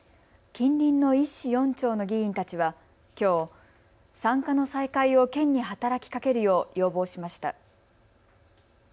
近隣の１市４町の議員たちはきょう産科の再開を県に働きかけるよう要望しました。